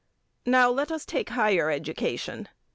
Now let us take higher education.